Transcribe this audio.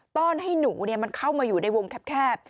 ต้อนให้หนูเนี่ยเข้ามาอยู่ได้วงแคบ